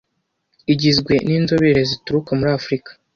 igizwe n inzobere zituruka muri afrika